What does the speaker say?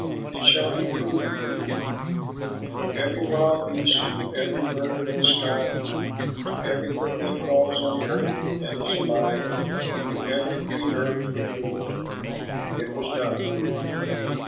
It shall be food for you. And to every wild beast and to every bird of the sky and to every thing that crawls on the earth and is alive, I give every green herb for food." And it was done.